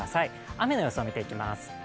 雨の予想を見ていきます。